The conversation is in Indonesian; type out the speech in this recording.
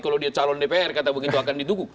kalau dia calon dpr kata begitu akan ditunggu